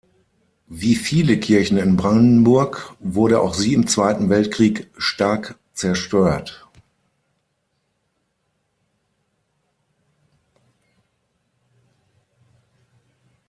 Wie viele Kirchen in Brandenburg wurde auch sie im Zweiten Weltkrieg stark zerstört.